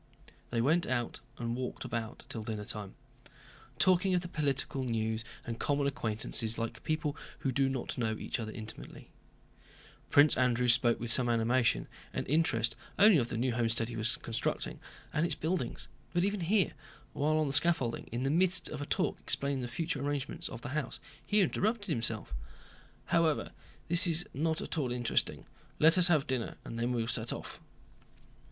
They went out and walked about till dinnertime, talking of the political news and common acquaintances like people who do not know each other intimately. Prince Andrew spoke with some animation and interest only of the new homestead he was constructing and its buildings, but even here, while on the scaffolding, in the midst of a talk explaining the future arrangements of the house, he interrupted himself: "However, this is not at all interesting. Let us have dinner, and then we'll set off."